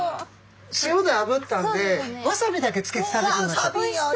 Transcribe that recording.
塩であぶったんでわさびだけつけて食べてみましょう。